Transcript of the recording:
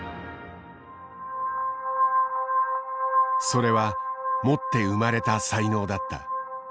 それは持って生まれた才能だった。